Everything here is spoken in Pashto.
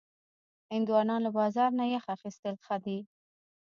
هندوانه له بازار نه یخ اخیستل ښه دي.